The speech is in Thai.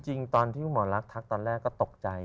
จริงตอนที่คุณหมอลักษักตอนแรกก็ตกใจ